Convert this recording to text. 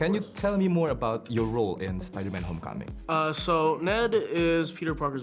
jadi ned adalah teman terbaik peter parker